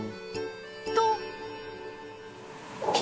と。